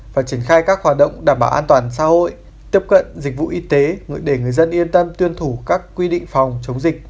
và triển khai các hoạt động đảm bảo an toàn xã hội tiếp cận dịch vụ y tế để người dân yên tâm tuyên thủ các quy định phòng chống dịch